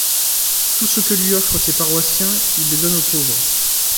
Tout ce que lui offre ses paroissiens, il le donne aux pauvres.